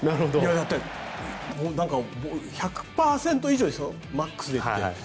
だって、１００％以上でしょマックスでいって。